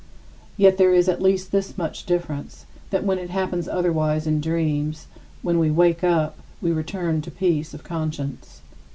Yet there is at least this much difference: that when it happens otherwise in dreams, when we wake up, we return to peace of conscience.